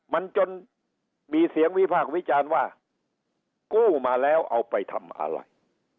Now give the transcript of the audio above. มันจนมีเสียงวิพากษ์วิจารณ์ว่ากู้มาแล้วเอาไปทำอะไร